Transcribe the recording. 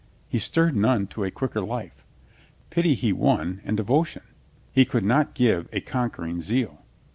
He stirred none to a quicker life. Pity he won and devo tion ; he could not give a conquering zeal.